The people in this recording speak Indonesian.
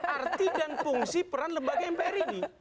arti dan fungsi peran lembaga mpr ini